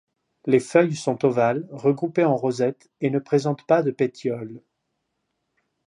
Les feuilles sont ovales, regroupées en rosettes et ne présentent pas de pétiole.